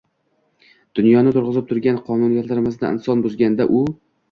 dunyoni turg‘izib turgan qonuniyatlarni inson buzganda u